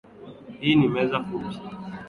Hii ni meza fupi